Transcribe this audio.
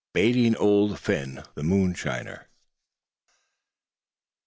BAITING OLD PHIN, THE MOONSHINER.